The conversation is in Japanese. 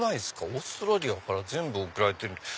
オーストラリアから全部贈られてる。